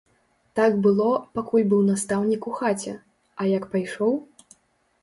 Так было, пакуль быў настаўнік у хаце, а як пайшоў?